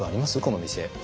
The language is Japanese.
この店。